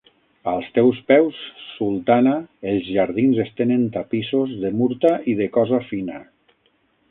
Als teus peus, sultana, els jardins estenen tapissos de murta i de cosa fina.